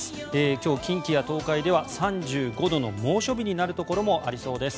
今日、近畿や東海では３５度の猛暑日になるところもありそうです。